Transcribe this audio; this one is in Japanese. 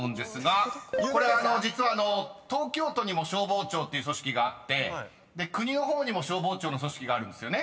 ［これ実は東京都にも消防庁っていう組織があって国の方にも消防庁の組織があるんですよね］